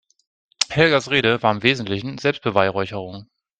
Helgas Rede war im Wesentlichen Selbstbeweihräucherung.